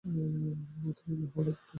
তবে আমি হাওলাত তো পাবো?